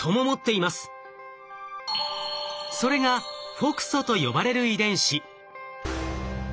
それが「ＦｏｘＯ」と呼ばれる遺伝子。